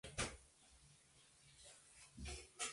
Su madre, Valentina, era hija de inmigrantes provenientes de Italia.